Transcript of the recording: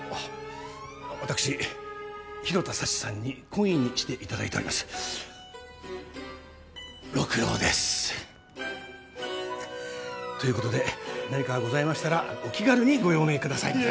わたくし弘田佐知さんに懇意にして頂いております六郎です。ということで何かございましたらお気軽にご用命くださいませ。